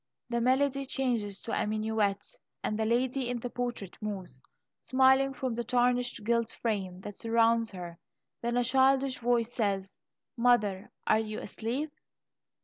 The melody changes to a minuet, and the lady in the portrait moves, smiling, from the tarnished gilt frame that surrounds her then a childish voice says: "Mother, are you asleep?"